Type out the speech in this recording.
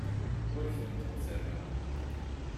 Ur kent-id-ttarraɣ.